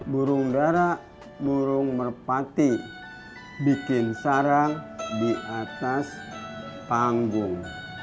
burung darah burung merpati bikin sarang di atas panggung